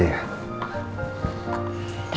aku ngasih mainannya langsung aja ya